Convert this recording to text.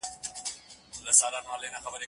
یا به مري یا به یې بل څوک وي وژلی